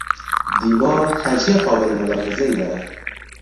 دیوار کجی قابل ملاحظهای دارد.